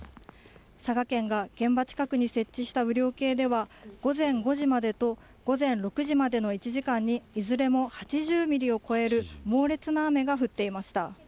佐賀県が現場近くに設置した雨量計では、午前５時までと午前６時までの１時間に、いずれも８０ミリを超える猛烈な雨が降っていました。